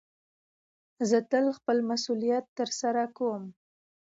زه تل خپل مسئولیت ترسره کوم.